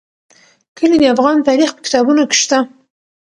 کلي د افغان تاریخ په کتابونو کې شته.